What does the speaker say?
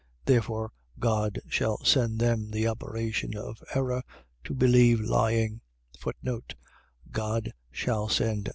Therefore God shall send them the operation of error, to believe lying: God shall send.